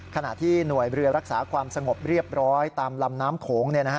ขณะที่หน่วยเรือรักษาความสงบเรียบร้อยตามลำน้ำโขง